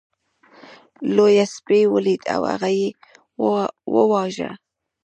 لیوه سپی ولید او هغه یې وواژه.